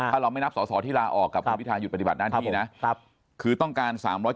ถ้าเราไม่นับสอสอที่ลาออกกับคุณพิทาหุดปฏิบัติหน้าที่นะคือต้องการ๓๗